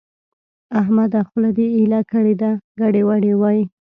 احمده! خوله دې ايله کړې ده؛ ګډې وډې وايې.